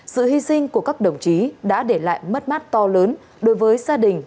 sự hy sinh của các đồng chí đã để lại mất mát to lớn đối với gia đình